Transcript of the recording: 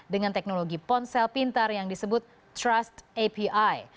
dengan teknologi ponsel pintar yang disebut trust api